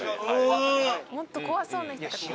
もっと怖そうな人かと。